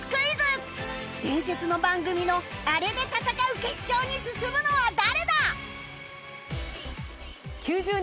伝説の番組のあれで戦う決勝に進むのは誰だ！？